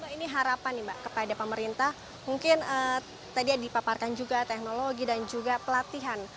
ini harapan nih mbak kepada pemerintah mungkin tadi dipaparkan juga teknologi dan juga pelatihan